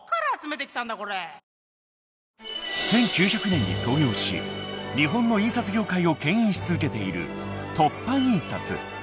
［１９００年に創業し日本の印刷業界をけん引し続けている凸版印刷］